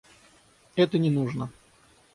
Это не нужно.